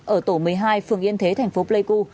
ở tổ một mươi hai phường yên thế thành phố pleiku